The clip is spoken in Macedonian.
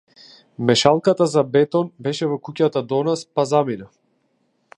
Мешалката за бетон беше во куќата до нас, па замина.